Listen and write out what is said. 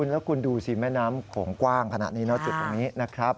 แล้วคุณดูสิแม่น้ำโขงกว้างขนาดนี้นะจุดตรงนี้นะครับ